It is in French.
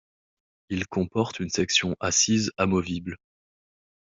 Il comporte une section assise amovible.